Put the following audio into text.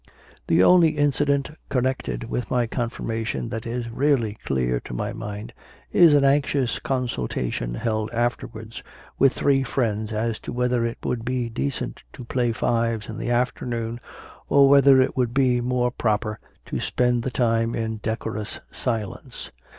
The only incident connected with my confirma tion that is really clear to my mind is an anxious consultation held afterwards with three friends as to whether it would be decent to play fives in the afternoon, or whether it would be more proper to spend the time in decorous silence.